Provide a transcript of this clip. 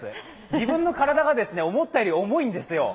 自分の体が思ったより重いんですよ。